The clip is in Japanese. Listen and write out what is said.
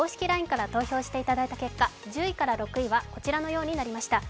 ＬＩＮＥから投票していただいた結果１０位から６位はこちらのようになりました。